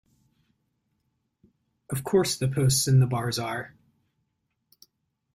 Of course the posts and the bars are!